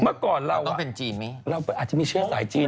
เมื่อก่อนเราอาจจะมีเชื้อสายจีน